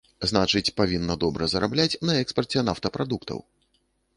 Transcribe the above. Значыць, павінна добра зарабляць на экспарце нафтапрадуктаў.